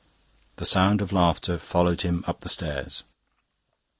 The sound of laughter followed him up the stairs.